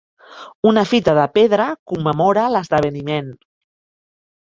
Una fita de pedra commemora l'esdeveniment.